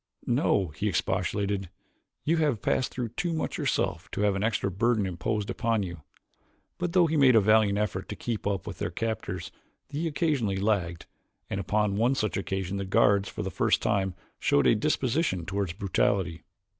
"No," he expostulated, "you have passed through too much yourself to have any extra burden imposed upon you." But though he made a valiant effort to keep up with their captors he occasionally lagged, and upon one such occasion the guards for the first time showed any disposition toward brutality.